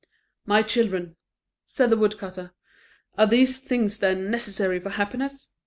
"My children," said the woodcutter, "are these things, then, necessary for happiness?